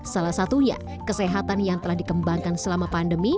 salah satunya kesehatan yang telah dikembangkan selama pandemi